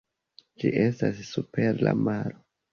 Ĝi estas super la maro.